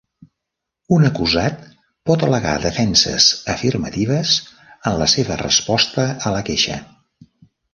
Un acusat pot al·legar defenses afirmatives en la seva resposta a la queixa.